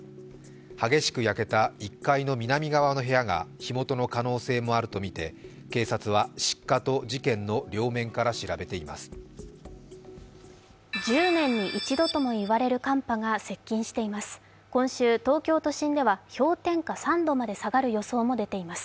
激しく焼けた１階の南側の部屋が火元の可能性もあるとみて警察は失火と事件の両面から調べています。